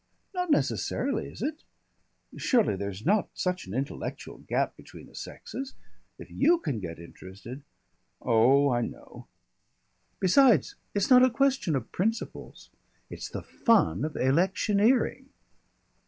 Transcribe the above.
"Not necessarily, is it? Surely there's not such an intellectual gap between the sexes! If you can get interested " "Oh, I know." "Besides, it's not a question of principles. It's the fun of electioneering."